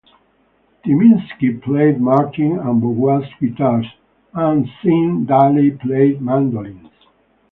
Tyminski played Martin and Bourgeois guitars and Sim Daley played mandolins.